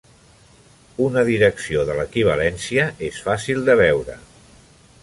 Una direcció de l'equivalència és fàcil de veure.